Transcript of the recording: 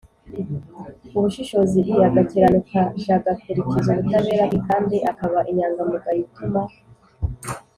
Ubushishozi i agakiranuka j agakurikiza ubutabera k kandi akaba inyangamugayo ituma